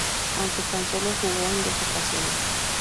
Aunque tan sólo jugó en dos ocasiones.